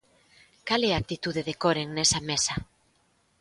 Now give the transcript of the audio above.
Cal é a actitude de Coren nesa mesa?